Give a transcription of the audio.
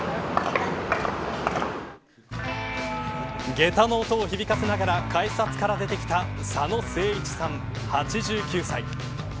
下駄の音を響かせながら改札から出てきた佐野誠一さん８９歳。